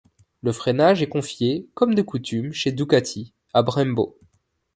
Le freinage est confié, comme de coutume chez Ducati, à Brembo.